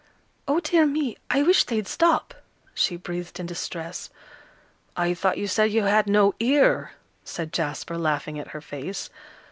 "O dear me, I wish they'd stop," she breathed in distress. "I thought you said you had no ear," said Jasper, laughing at her face.